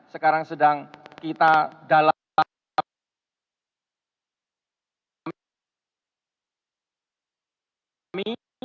sekarang sedang kita dalam